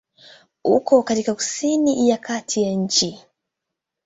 Uko katika kusini ya kati ya nchi.